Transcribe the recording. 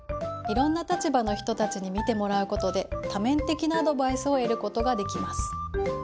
いろんな立場の人たちに見てもらうことで多面的なアドバイスを得ることができます。